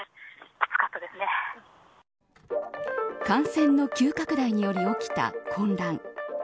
感染の急拡大により起きた混乱。